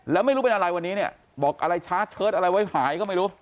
แล้วไม่รู้เป็นอะไรวันนี้เนี่ยบอกอะไรชาร์เชิดอะไรไว้หายก็ไม่รู้